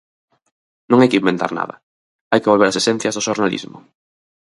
Non hai que inventar nada, hai que volver ás esencias do xornalismo.